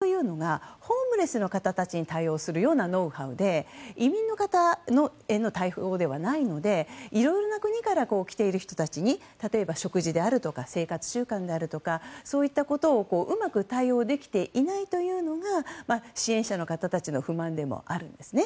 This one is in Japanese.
ですから、その対応というのがホームレスの方に対応するようなノウハウで移民の方への対応ではないのでいろいろな国から来ている人たちに例えば、食事であるとか生活習慣であるとかそういったことをうまく対応できていないというのが支援者の方たちの不満でもあるんですね。